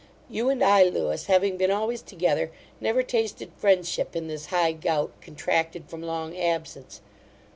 You and I, Lewis, having been always together, never tasted friendship in this high gout, contracted from long absence.